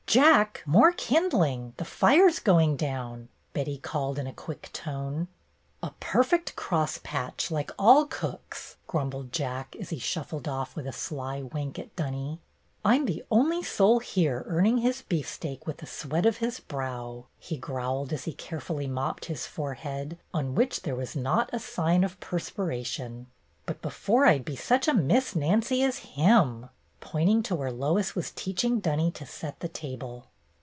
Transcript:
"Jack, more kindling! The fire's going down," Betty called in a quick tone. "A perfect crosspatch, like all cooks!" grumbled Jack, as he shuffled off with a sly wink at Dunny. "I 'm the only soul here earning his beefsteak with the sweat of his brow," he growled, as he carefully mopped his forehead, on which there was not a sign of perspiration. " But before I 'd be such a Miss Nancy as him!*' pointing to where Lois was teaching Dunny to set the table.